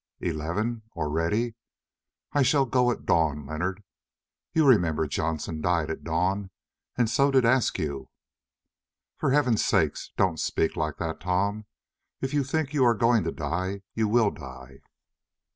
"Eleven—already? I shall go at dawn, Leonard. You remember Johnston died at dawn, and so did Askew." "For heaven's sake don't speak like that, Tom! If you think you are going to die, you will die."